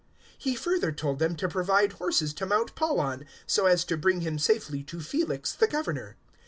023:024 He further told them to provide horses to mount Paul on, so as to bring him safely to Felix the Governor.